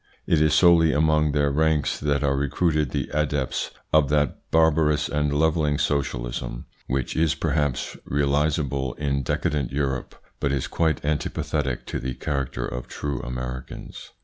It is solely among their ranks that are recruited the adepts of that barbarous and levelling socialism, which is perhaps realisable in decadent Europe, but is quite antipathetic to the character of true Americans.